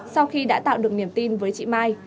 sau khi đã tạo được niềm tin với chị mai